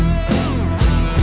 masih lu nunggu